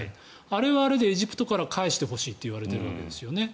あれはあれでエジプトから返してほしいと言われているわけですよね。